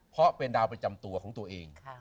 เพราะเป็นดาวประจำตัวของตัวเอง